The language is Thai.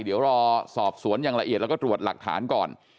เดี๋ยวรอสอบสวนอย่างละเอียดแล้วก็ตรวจหลักฐานก่อน